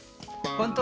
本当？